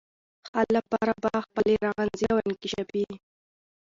حل لپاره به خپلي رغنيزي او انکشافي